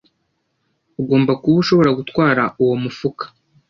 Ugomba kuba ushobora gutwara uwo mufuka.